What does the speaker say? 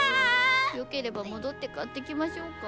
よければ戻って買ってきましょうか？